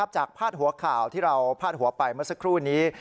พาดหัวข่าวที่เราพาดหัวไปเมื่อสักครู่นี้